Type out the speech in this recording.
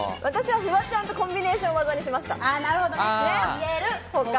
フワちゃんとコンビネーション技にしました。